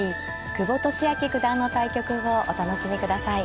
久保利明九段の対局をお楽しみください。